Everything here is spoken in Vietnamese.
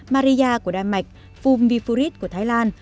maria của đan mạch fum vifurit của thái lan